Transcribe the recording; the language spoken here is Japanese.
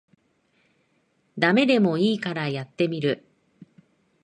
ダメでもいいからやってみる